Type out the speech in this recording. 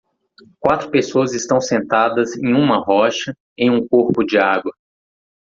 Quatro pessoas estão sentadas em uma rocha em um corpo de água.